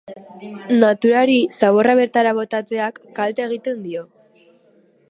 Naturari ,zaborra bertara botatzeak kalte egiten dio.